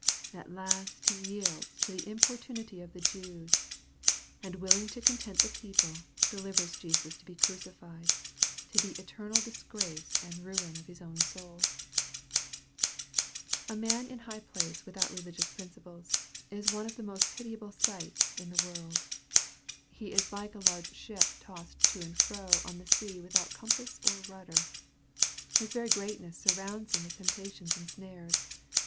At last he yields to the importunity of the Jews, and " willing to content the people," delivers Jesus to be crucified to the eter nal disgrace and ruin of his own soul. 15 838 EXPOSITORY THOUGHTS A man in high place without religious principles, is one of the most pitiable sights in the world. He is like a large ship tossed to and fro on the sea without com pass or rudder. His very greatness surrounds him with temptations and snares.